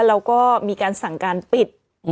แล้วก็มีการสั่งการปิด